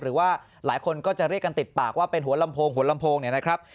หรือว่าหลายคนก็จะเรียกกันติดปากว่าเป็นหัวลำโพงนะครับ